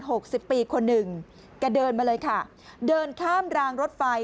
หกสิบปีคนหนึ่งแกเดินมาเลยค่ะเดินข้ามรางรถไฟ